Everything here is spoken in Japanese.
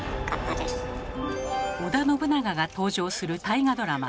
織田信長が登場する大河ドラマ